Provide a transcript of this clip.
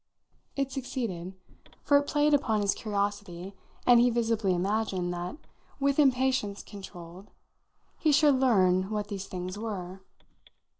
It succeeded, for it played upon his curiosity, and he visibly imagined that, with impatience controlled, he should learn what these things were.